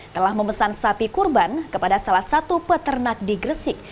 telah memesan sapi kurban kepada salah satu peternak di gresik